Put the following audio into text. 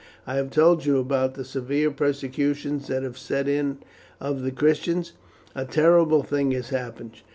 "I have told you about the severe persecution that has set in of the Christians. A terrible thing has happened.